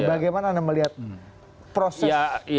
bagaimana anda melihat proses